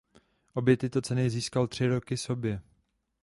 Obě tyto ceny získal tři roky sobě.